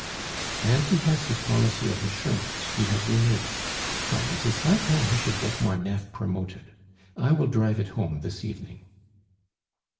"And he has his policy of insurance; he has renewed it. Come, it is high time he should get Marneffe promoted. I will drive it home this evening."